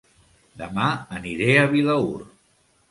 Dema aniré a Vilaür